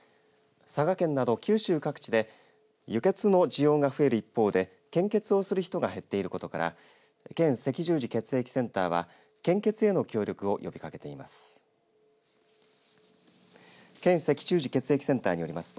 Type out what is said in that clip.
佐賀県など、九州各地で輸血の需要が増える一方で献血をする人が減っていることから県赤十字血液センターは献血への協力を呼びかけています。